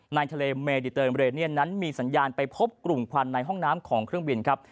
ในทะเลเมดิเตมเรเนียนนั้นมีสัญญาณไปพบกลุ่มควันในห้องน้ำของเครื่องบินครับ